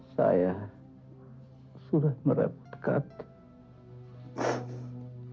saya sudah merebutkan